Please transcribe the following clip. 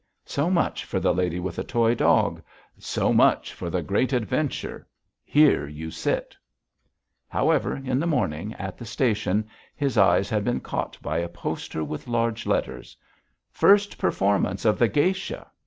"So much for the lady with the toy dog.... So much for the great adventure.... Here you sit." However, in the morning, at the station, his eye had been caught by a poster with large letters: "First Performance of 'The Geisha.'"